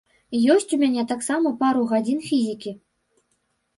Ёсць у мяне таксама пару гадзіну фізікі.